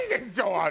あれ。